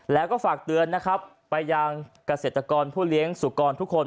แล้วก็ฝากเตือนนะครับไปยังกระเศรษฐกรผู้เลี้ยงสุขรตุกร